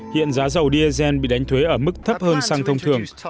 hiện giá dầu diesel bị đánh thuế ở mức thấp hơn sang thông thường